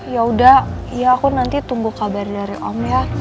ya udah ya aku nanti tunggu kabar dari om ya